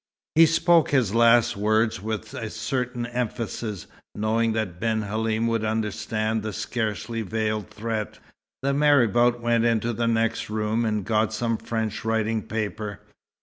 He spoke his last words with a certain emphasis, knowing that Ben Halim would understand the scarcely veiled threat. The marabout went into the next room, and got some French writing paper.